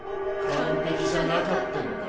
完璧じゃなかったのね。